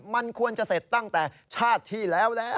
มันควรจะเสร็จตั้งแต่ชาติที่แล้วแล้ว